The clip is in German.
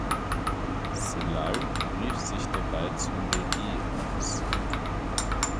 Celal rief sich dabei zum Mehdi aus.